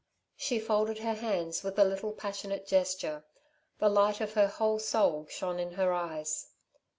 She folded her hands with a little passionate gesture; the light of her whole soul shone in her eyes.